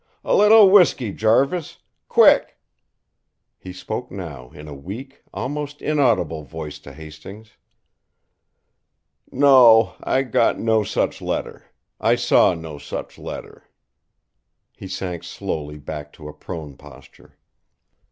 A little whiskey, Jarvis! Quick!" He spoke now in a weak, almost inaudible voice to Hastings: "No; I got no such letter. I saw no such letter." He sank slowly back to a prone posture.